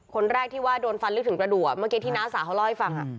คนแรกที่ว่าโดนฟันลึกถึงประดูกอ่ะเมื่อกี้ที่นาสาเขาล็อยฟังอะ